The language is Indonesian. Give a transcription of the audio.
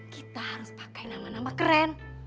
kita harus pakai nama nama keren